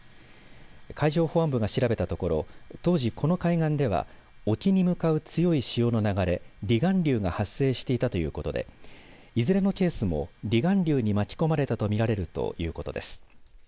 海上保安部が調べたところ当時この海岸では沖に向かう強い潮の流れ離岸流が発生していたということでいずれのケースも離岸流に巻き込まれたと見られるということです。